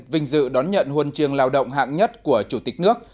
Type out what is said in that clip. vinh dự đón nhận huân trường lao động hạng nhất của chủ tịch nước